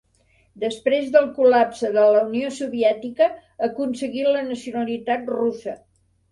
Després del Col·lapse de la Unió Soviètica aconseguí la nacionalitat russa.